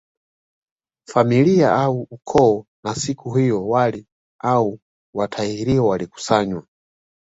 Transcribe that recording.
Familia au ukoo na siku hiyo wali au watahiriwa walikusanywa